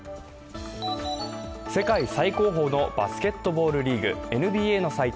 世界最高峰のバスケットボールリーグ、ＮＢＡの祭典